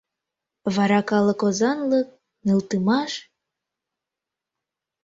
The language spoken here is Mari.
Вара калык озанлык нӧлтымаш...